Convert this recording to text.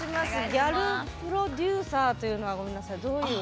ギャルプロデューサーというのはごめんなさい、どういう？